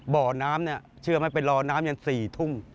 บ่อน้ำเชื่อไหมไปรอน้ำอย่าง๔ทุ่ม